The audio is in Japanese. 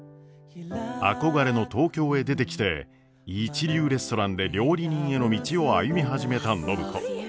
憧れの東京へ出てきて一流レストランで料理人への道を歩み始めた暢子。